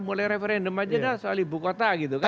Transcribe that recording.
mulai referendum aja dah soal ibu kota gitu kan